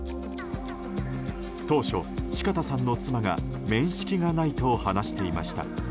当初、四方さんの妻が面識がないと話していました。